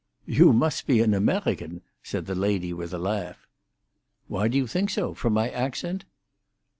"You must be an Amerhican," said the lady, with a laugh. "Why do you think so? From my accent?"